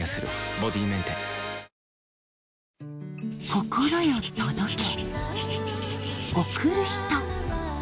心よ届け